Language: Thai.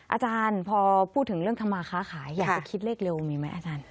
อาจารย์พอพูดถึงเรื่องธรรมาค้าขายอยากจะคิดเลขเร็วมีไหมอาจารย์